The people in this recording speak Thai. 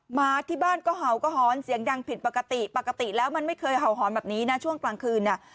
หมาที่บ้านก็เห่าก็หอนเสียงดังผิดปกติปกติแล้วมันไม่เคยเห่าหอนแบบนี้นะช่วงกลางคืนเนี่ย